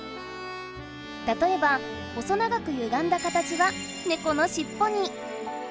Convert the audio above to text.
たとえば細長くゆがんだ形はネコのしっぽに。